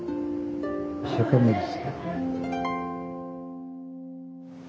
一生懸命ですよ。